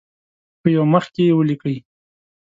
په یو مخ کې یې ولیکئ.